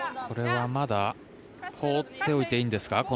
これはまだ放っておいていいんですか？